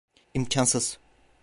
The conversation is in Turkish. İmkansız.